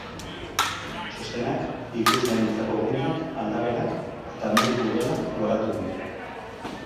Txostenak ikusleentzako guneak, aldagelak eta mediku gelak goratu ditu.